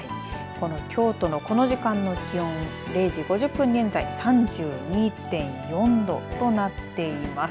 この京都のこの時間の気温０時５０分現在３２．４度となっています。